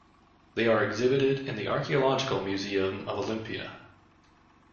They are exhibited in the Archaeological Museum of Olympia.